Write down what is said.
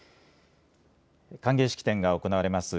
歓迎式典が行われます